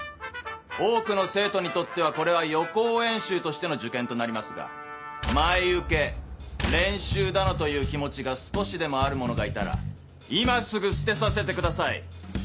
多くの生徒にとってはこれは予行演習としての受験となりますが前受け練習だのという気持ちが少しでもある者がいたら今すぐ捨てさせてください。